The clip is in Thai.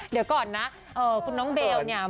เดี๋ยวก่อนนะคุณน้องเบลเนี่ย